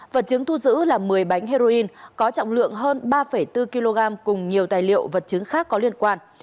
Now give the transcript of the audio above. vật chứng thu giữ là một mươi bánh heroin có trọng lượng hơn ba bốn kg cùng nhiều tài liệu vật chứng khác có liên quan